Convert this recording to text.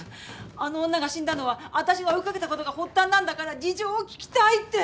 あの女が死んだのは私が追い掛けたことが発端なんだから事情を聴きたいって。